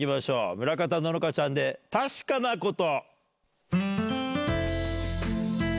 村方乃々佳ちゃんで『たしかなこと』。